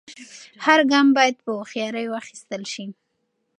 هر ګام باید په هوښیارۍ واخیستل سي.